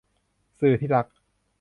สื่อที่รัก